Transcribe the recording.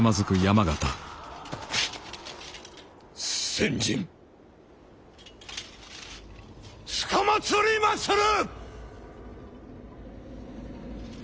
先陣つかまつりまする！